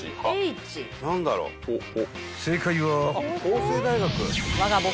［正解は］